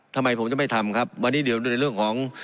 ทำไมผมจะไม่ทำครับวันนี้เดี๋ยวในเรื่องของ